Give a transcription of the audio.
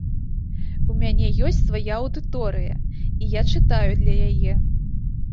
У мяне ёсць свая аўдыторыя, і я чытаю для яе.